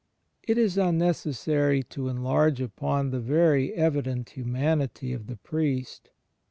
It is unnecessary to enlarge upon the very evident humanity of the Priest.